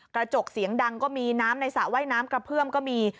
กระจกเสียงดังก็มีน้ำในสระว่ายน้ำกระเพื่อมก็มี